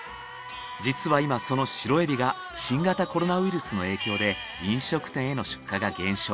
実は今そのシロエビが新型コロナウイルスの影響で飲食店への出荷が減少。